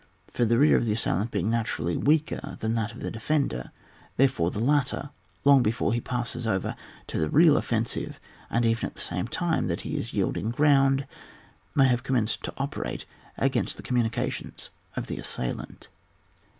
For the rear of the assailant being na turally weaker than that of the defender, therefore the latter, long before he passes over to the real offensive, and even at the same time that he is yielding ground, may have commenced to ope rate against the communications of the assailant.